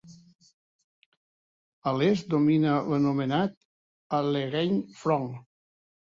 A l'est domina l'anomenat Allegheny Front.